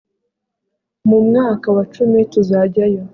Mu mwaka wa cumi tuzajyayo